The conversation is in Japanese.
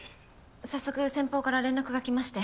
早速先方から連絡が来まして。